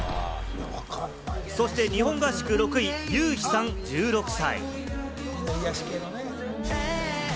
そして日本合宿６位、ユウヒさん、１６歳。